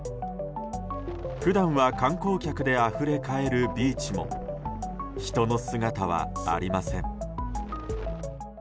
普段は観光客であふれ返るビーチも人の姿はありません。